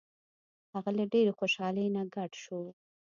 هغه له ډیرې خوشحالۍ نه ګډ شو.